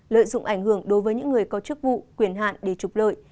lợi dụng ảnh hưởng đối với những người có chức vụ quyền hạn để trục lợi